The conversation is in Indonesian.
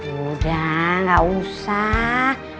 udah gak usah